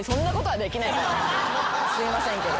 すいませんけど。